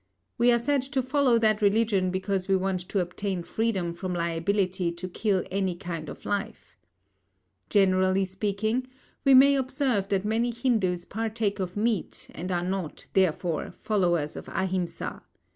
We are said to follow that religion because we want to obtain freedom from liability to kill any kind of life. Generally speaking, we may observe that many Hindus partake of meat and are not, therefore, followers of Ahimsa.